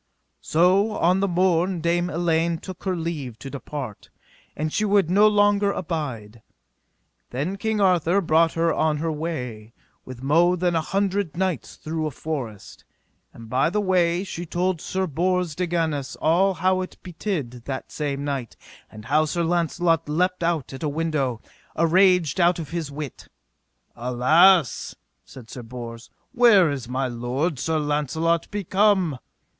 So on the morn Dame Elaine took her leave to depart, and she would no longer abide. Then King Arthur brought her on her way with mo than an hundred knights through a forest. And by the way she told Sir Bors de Ganis all how it betid that same night, and how Sir Launcelot leapt out at a window, araged out of his wit. Alas, said Sir Bors, where is my lord, Sir Launcelot, become?